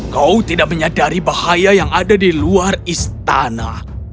kau tidak menyadari bahaya yang ada di luar istana